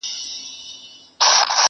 تر بار لاندي یې ورمات کړله هډونه.!